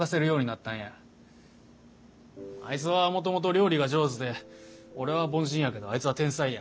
あいつはもともと料理が上手で俺は凡人やけどあいつは天才や。